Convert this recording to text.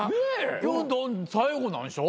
今日最後なんでしょ？